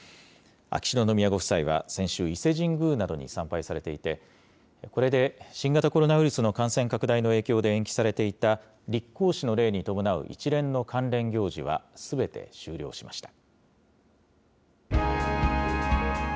秋篠宮ご夫妻は先週、伊勢神宮などに参拝されていて、これで新型コロナウイルスの感染拡大の影響で延期されていた立皇嗣の礼に伴う一連の関連行事はすべて終了しました。